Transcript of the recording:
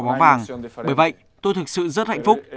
bởi vậy tôi thực sự rất hạnh phúc